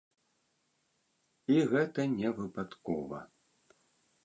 І гэта не выпадкова.